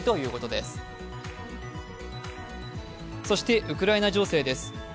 そしてウクライナ情勢です。